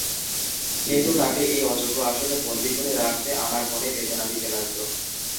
কিন্তু তাঁকে এই অযোগ্য আসনে বন্দী করে রাখতে আমার মনে বেদনা দিতে লাগল।